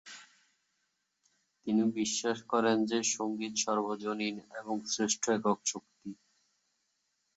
তিনি বিশ্বাস করেন যে সঙ্গীত সার্বজনীন এবং শ্রেষ্ঠ একক শক্তি।